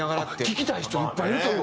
聞きたい人いっぱいいると思う。